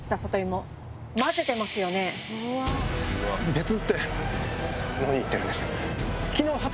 別って何言ってるんです。